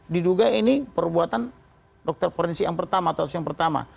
diduga ini perbuatan dokter forensik yang pertama